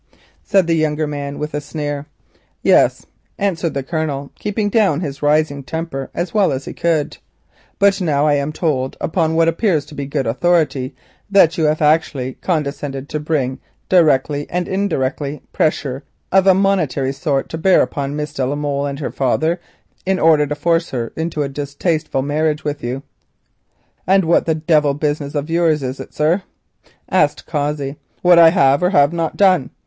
said the younger man with a sneer. "Yes," answered the Colonel, keeping down his rising temper as well as he could. "But now I am told, upon what appears to be good authority, that you have actually condescended to bring, directly and indirectly, pressure of a monetary sort to bear upon Miss de la Molle and her father in order to force her into a distasteful marriage with yourself." "And what the devil business of yours is it, sir," asked Cossey, "what I have or have not done?